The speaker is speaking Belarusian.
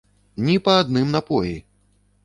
Ні па адным напоі!